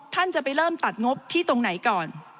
ท่านจะไปเริ่มตัดงบที่ตรงไหนก่อน